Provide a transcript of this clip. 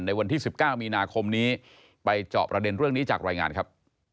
ในวันที่๑๙มีนาคมนี้ไปเจาะประเด็นเรื่องนี้จากรายงานครับ